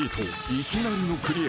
いきなりのクリア］